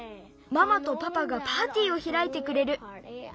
ママとパパがパーティーをひらいてくれる。